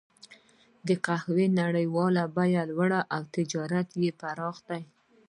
د قهوې نړیوالې بیې لوړې او تجارت یې پراخ شو.